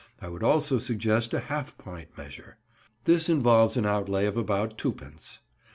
I would also suggest a half pint measure; this involves an outlay of about twopence.